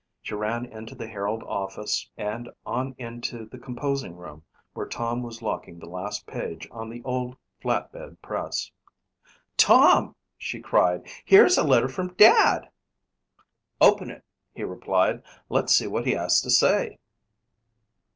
She ran into the Herald office and on into the composing room where Tom was locking the last page on the old flat bed press. "Tom," she cried, "here's a letter from Dad!" "Open it," he replied. "Let's see what he has to say."